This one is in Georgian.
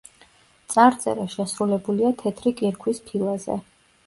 წარწერა შესრულებულია თეთრი კირქვის ფილაზე.